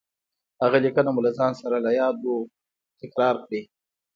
هغه ليکنه مو له ځان سره له يادو تکرار کړئ.